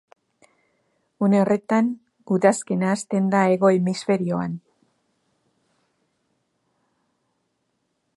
Une horretan, udazkena hasten da hego hemisferioan.